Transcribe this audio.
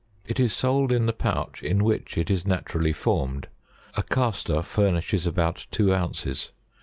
87 It is sold in the pouch in which it is naturally formed. A Castor furnishes about two ounces.